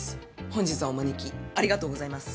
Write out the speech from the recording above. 本日はお招きありがとうございます。